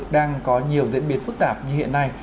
đang có nhiều diễn biến phức tạp như hiện nay